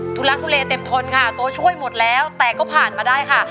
ทุลักทุเลเต็มทนค่ะตัวช่วยหมดแล้วแต่ก็ผ่านมาได้ค่ะ